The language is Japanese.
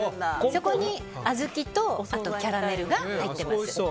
そこに小豆とキャラメルが入ってます。